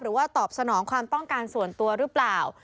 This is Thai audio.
หรือว่าตอบสนองความป้องกันส่วนตัวหรือเปล่า